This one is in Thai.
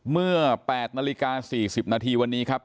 เมื่อ๘นาฬิกา๔๐นาทีวันนี้ครับ